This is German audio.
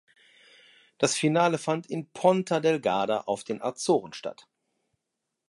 Das Finale fand in Ponta Delgada auf den Azoren statt.